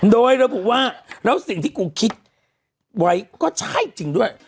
โดยระบุว่าแล้วสิ่งที่กูคิดไว้ก็ใช่จริงด้วย